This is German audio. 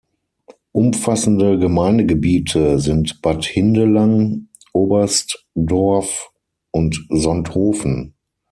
Umfassende Gemeindegebiete sind Bad Hindelang, Oberstdorf und Sonthofen.